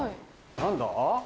何だ？